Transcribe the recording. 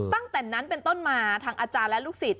ตั้งแต่นั้นเป็นต้นมาทางอาจารย์และลูกศิษย